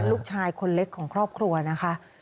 ลูกชายคนเล็กของครอบครัวนะคะ